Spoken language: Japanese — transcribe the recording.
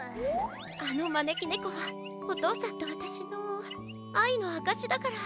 あのまねきねこはおとうさんとわたしのあいのあかしだから。